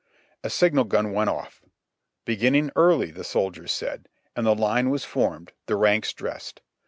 A signal gun went off! "Beginning early," the soldiers said; and the line was formed, the ranks dressed.